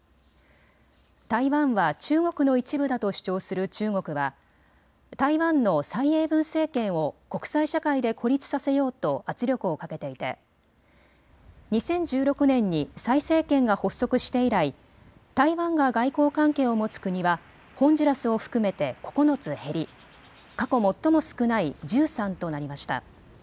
台湾は中国の一部だと主張する中国は台湾の蔡英文政権を国際社会で孤立させようと圧力をかけていて２０１６年に蔡政権が発足して以来、台湾が外交関係を持つ国はホンジュラスを含めて９つ減り過去最も少ない１３となりました。